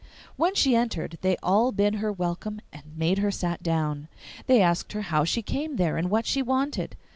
When she entered they all bid her welcome, and made her sit down. They asked her how she came there and what she wanted.